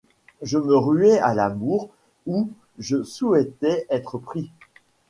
Je me ruais à l’amour où je souhaitais être pris.